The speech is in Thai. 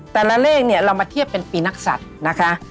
แต่ละเลขเนี่ยเรามาเทียบเป็นปีนักศัตริย์นะคะ